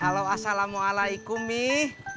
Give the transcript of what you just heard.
halo assalamualaikum nih